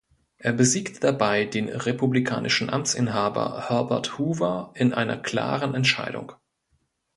Er besiegte dabei den republikanischen Amtsinhaber Herbert Hoover in einer klaren Entscheidung.